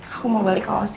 aku mau balik ke osi